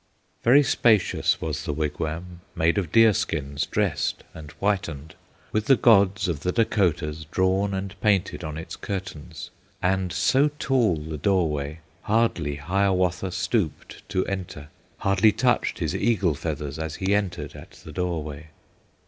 Very spacious was the wigwam, Made of deer skins dressed and whitened, With the Gods of the Dacotahs Drawn and painted on its curtains, And so tall the doorway, hardly Hiawatha stooped to enter, Hardly touched his eagle feathers As he entered at the doorway.